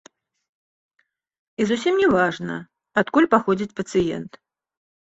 І зусім не важна, адкуль паходзіць пацыент.